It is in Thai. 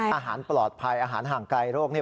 อาหารปลอดภัยอาหารห่างไกลโรคเนี่ย